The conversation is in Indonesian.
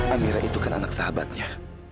amira itu kan anak sahabatnya